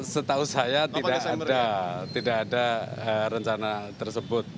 setahu saya tidak ada rencana tersebut